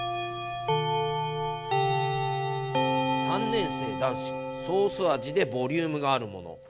３年生男子ソース味でボリュームがあるもの。